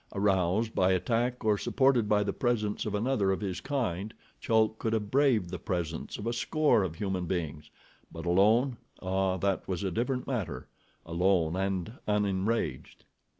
Aroused by attack, or supported by the presence of another of his kind, Chulk could have braved the presence of a score of human beings, but alone—ah, that was a different matter—alone, and unenraged.